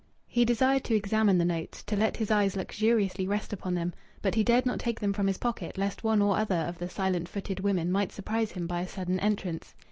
He desired to examine the notes, to let his eyes luxuriously rest upon them, but he dared not take them from his pocket lest one or other of the silent footed women might surprise him by a sudden entrance.